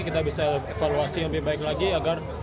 kita bisa evaluasi lebih baik lagi agar